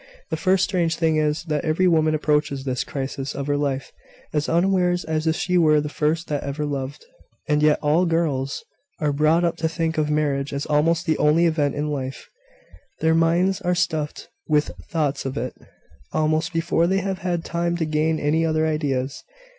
"The first strange thing is, that every woman approaches this crisis of her life as unawares as if she were the first that ever loved." "And yet all girls are brought up to think of marriage as almost the only event in life. Their minds are stuffed with thoughts of it almost before they have had time to gain any other ideas."